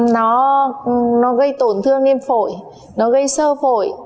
nó gây tổn thương nghiêm phổi nó gây sơ phổi